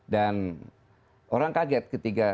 dan orang kaget ketika